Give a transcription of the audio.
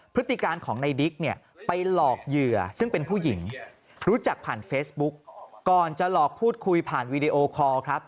พฤติการของในดิ๊กเนี่ยไปหลอกเหยื่อซึ่งเป็นผู้หญิงรู้จักผ่านเฟซบุ๊กก่อนจะหลอกพูดคุยผ่านวีดีโอคอร์ครับ